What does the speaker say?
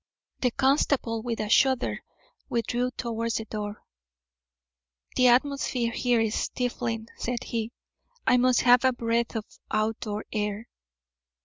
The constable, with a shudder, withdrew towards the door. "The atmosphere here is stifling," said he. "I must have a breath of out door air."